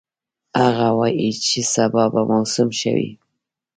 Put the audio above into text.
هغه وایي چې سبا به موسم ښه وي